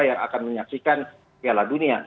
yang akan menyaksikan piala dunia